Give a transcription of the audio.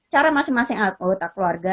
cara masing masing anggota keluarga